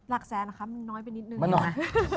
ลากแสนเหรอคะมันน้อยไปนิดนึง